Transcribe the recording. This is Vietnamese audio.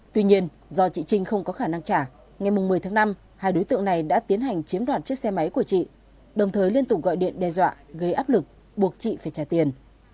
tuy nhiên do chị trinh không có khả năng trả ngày một mươi tháng năm hai đối tượng này đã tiến hành chiếm đoạt chiếc xe máy của chị đồng thời liên tục gọi điện đe dọa gây áp lực buộc chị phải trả tiền